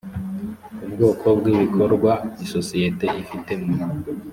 ubwoko bw ibikorwa isosiyete ifitemo